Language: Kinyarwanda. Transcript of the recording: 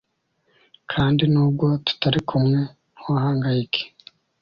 kandi nubwo tutarikumwe ntuhangayike